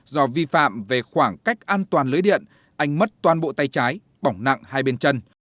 do vi phạm về khoảng cách an toàn lưới điện anh mất toàn bộ tay trái bỏng nặng hai bên chân